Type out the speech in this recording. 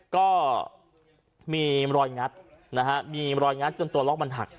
ก็มีรอยงัดนะฮะมีรอยงัดจนตัวล็อกมันหัก